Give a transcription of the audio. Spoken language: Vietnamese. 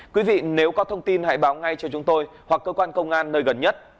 quý vị nếu có thông tin hãy báo ngay cho chúng tôi hoặc cơ quan công an nơi gần nhất